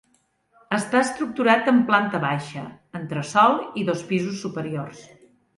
Està estructurat en planta baixa, entresòl i dos pisos superiors.